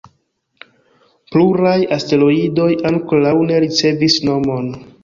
Pluraj asteroidoj ankoraŭ ne ricevis nomon.